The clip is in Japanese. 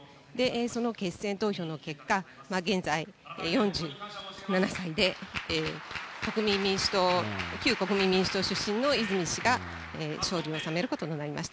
その決選投票の結果、現在４７歳で、国民民主党、旧国民民主党出身の泉氏が勝利を収めることとなりました。